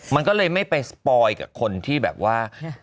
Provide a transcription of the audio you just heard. มันก็เลยไม่ไปสปอยกับคนที่แบบว่า